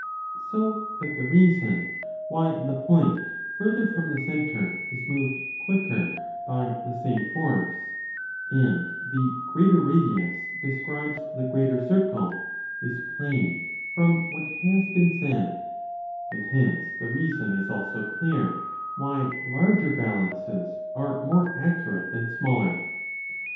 So that the reason why the point further from the centre 20 is moved quicker by the same force, and the greater radius describes the greater circle, is plain from what has been said ; and hence the reason is also clear why larger balances are more accurate than smaller.